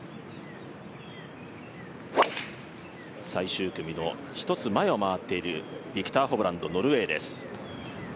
最終組の１つ前を回っているビクター・ホブランド、ノルウェーです。